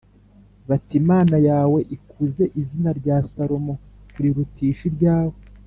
bati ‘Imana yawe ikuze izina rya Salomo kurirutisha iryawe